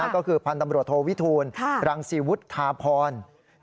ก็คือพันธมรวชโทวิทูลรังสีวุธาพร